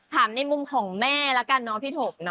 ถามในมุมของแม่แล้วกันณพี่ถม